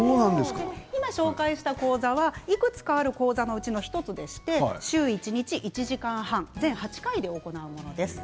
今紹介した講座はいくつかある講座のうちの１つでして週一日、１時間半全８回で行うものです。